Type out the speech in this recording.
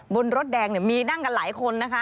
บนรถแดงมีนั่งกันหลายคนนะคะ